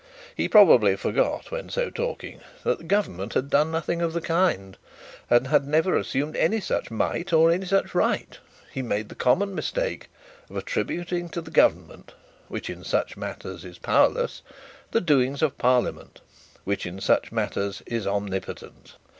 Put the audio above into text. He probably forgot when so talking that government had done nothing of the kind, and had never assumed any such might or any such right. He made the common mistake of attributing to the government, which in such matters is powerless, the doings of parliament, which in such matters is omnipotent.